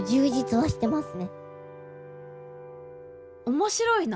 面白いな。